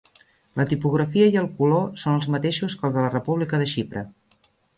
La tipografia i el color són els mateixos que els de la República de Xipre.